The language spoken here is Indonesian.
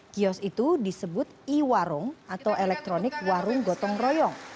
kios itu disebut iwarung atau elektronik warung gotong royong